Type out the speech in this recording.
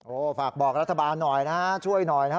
ฝากบอกรัฐบาลหน่อยนะฮะช่วยหน่อยนะฮะ